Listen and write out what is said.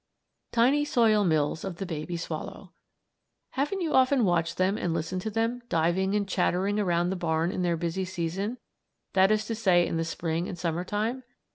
TINY SOIL MILLS OF THE BABY SWALLOW Haven't you often watched them and listened to them, diving and chattering around the barn in their busy season; that is to say, in the spring and summer time?